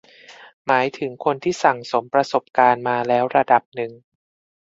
หมายถึงคนที่สั่งสมประสบการณ์มาแล้วระดับหนึ่ง